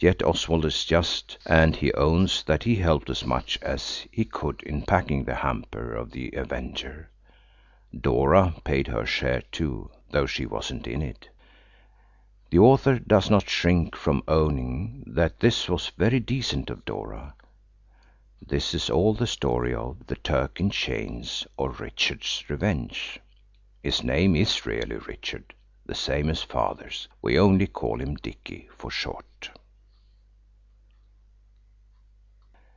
Yet Oswald is just, and he owns that he helped as much as he could in packing the Hamper of the Avenger. Dora paid her share, too, though she wasn't in it. The author does not shrink from owning that this was very decent of Dora. This is all the story of– THE TURK IN CHAINS; or. RICHARD'S REVENGE. (His name is really Richard, the same as Father's. We only call him Dicky for short.)